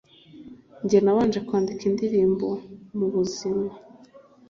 “Njye nabanje kwandika indirimbo mu buzima